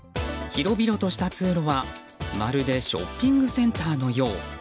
広々とした通路は、まるでショッピングセンターのよう。